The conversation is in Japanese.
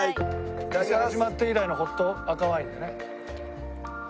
『ザワつく！』始まって以来のホット赤ワインだね。